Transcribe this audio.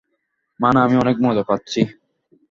মানে আমি অনেক মজা পাচ্ছি।